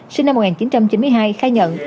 sinh năm một nghìn chín trăm chín mươi hai khai nhận